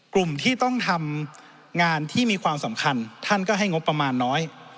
กลุ่มที่ต้องทำงานที่มีความสำคัญท่านก็ให้งบประมาณน้อย